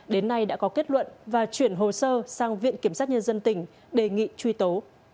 đến nay đã có kết luận và chuyển hồ sơ sang viện kiểm sát nhân dân tỉnh đề nghị truy tố